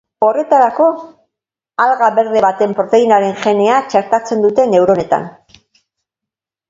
Horretarako, alga berde baten proteinaren genea txertatzen dute neuronetan.